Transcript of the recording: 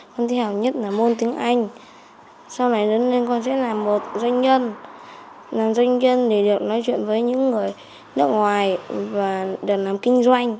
con theo nhất là môn tiếng anh sau này con sẽ làm một dân nhân làm dân nhân để được nói chuyện với những người nước ngoài và được làm kinh doanh